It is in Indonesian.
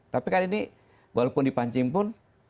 tapi kan ini walaupun dipancing pun